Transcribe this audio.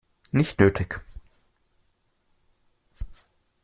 Nicht nötig.